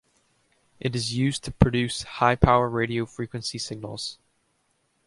It is used to produce high-power radio frequency signals.